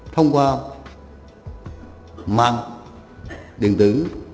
thông qua mạng điện tử